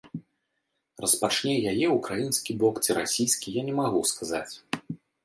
Распачне яе ўкраінскі бок ці расійскі, я не магу сказаць.